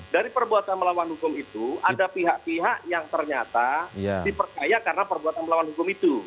dari perbuatan melawan hukum itu ada pihak pihak yang ternyata dipercaya karena perbuatan melawan hukum itu